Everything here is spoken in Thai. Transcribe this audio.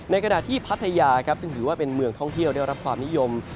ขณะที่พัทยาซึ่งถือว่าเป็นเมืองท่องเที่ยวได้รับความนิยม